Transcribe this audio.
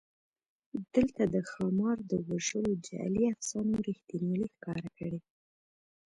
دلته د ښامار د وژلو جعلي افسانو رښتینوالی ښکاره کړی.